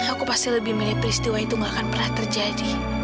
aku pasti lebih milih peristiwa itu gak akan pernah terjadi